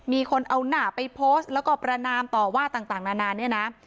มีคนเอาหน้าไปโพสต์แล้วก็ประนามต่อว่าต่างนานาเนี่ยนะ